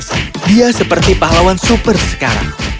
dia seperti pahlawan super sekarang